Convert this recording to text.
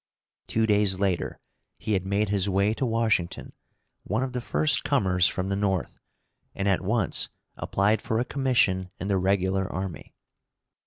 Two days later he had made his way to Washington, one of the first comers from the North, and at once applied for a commission in the regular army.